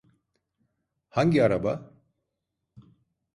Hangi araba?